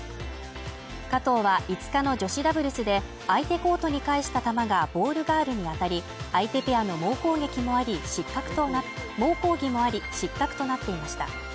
加藤は５日の女子ダブルスで相手コートに返した球がボールガールに当たり、相手ペアの猛抗議もあり、失格となっていました。